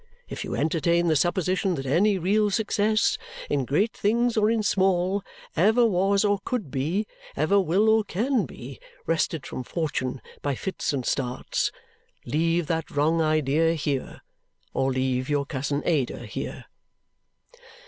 If you entertain the supposition that any real success, in great things or in small, ever was or could be, ever will or can be, wrested from Fortune by fits and starts, leave that wrong idea here or leave your cousin Ada here."